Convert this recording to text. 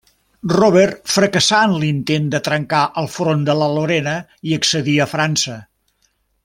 Robert fracassà en l'intent de trencar el front de la Lorena i accedir a França.